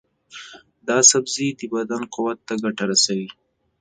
دا سبزی د بدن قوت ته ګټه لري.